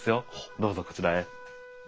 どうぞこちらへ。